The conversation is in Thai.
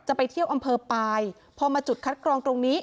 จะไปเที่ยวอำเภอปลายพอมาจุดคัดกรองตรงนี้